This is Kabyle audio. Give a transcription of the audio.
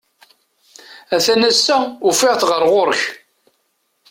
A-t-an ass-a ufiɣ-t ɣer ɣur-k.